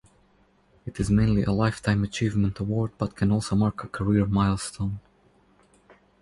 It is mainly a Lifetime Achievement Award but can also mark a career milestone.